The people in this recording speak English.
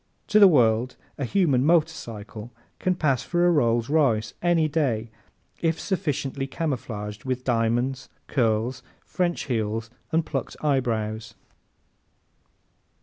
To the world a human motorcycle can pass for a Rolls Royce any day if sufficiently camouflaged with diamonds, curls, French heels and plucked eyebrows.